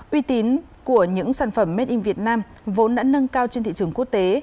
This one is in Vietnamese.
uy tín của những sản phẩm made in việt nam vốn đã nâng cao trên thị trường quốc tế